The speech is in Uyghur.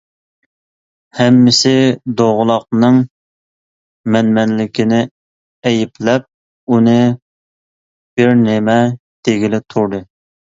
ھەممىسى دوغىلاقنىڭ مەنمەنلىكىنى ئەيىبلەپ، ئۇنى بىرنېمە دېگىلى تۇردى.